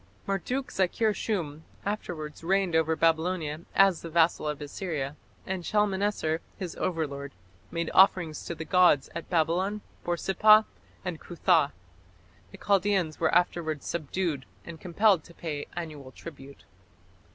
Marduk zakir shum afterwards reigned over Babylonia as the vassal of Assyria, and Shalmaneser, his overlord, made offerings to the gods at Babylon, Borsippa, and Cuthah. The Chaldæans were afterwards subdued, and compelled to pay annual tribute.